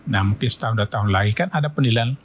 nah mungkin setahun dua tahun lagi kan ada penilaian